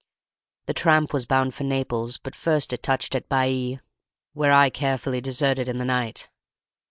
"The tramp was bound for Naples, but first it touched at Baiæ, where I carefully deserted in the night.